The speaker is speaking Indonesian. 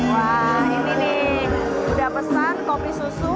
wah ini nih udah pesan kopi susu